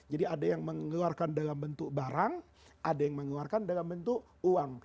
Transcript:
jadi ada yang mengeluarkan dalam bentuk barang ada yang mengeluarkan dalam bentuk uang